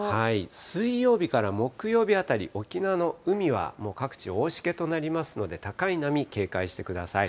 水曜日から木曜日あたり、沖縄の海はもう各地、大しけとなりますので、高い波、警戒してください。